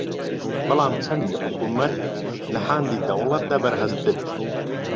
بەڵام چەمکی حکوومەت لە حاندی دەوڵەتدا بەرھەستتر